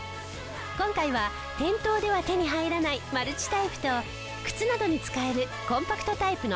今回は店頭では手に入らないマルチタイプと靴などに使えるコンパクトタイプの３点。